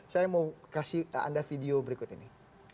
saya mau kasih anda video berikut ini